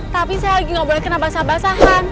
tapi saya lagi nggak boleh kena basah basahan